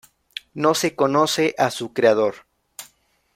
No se conoce a su creador.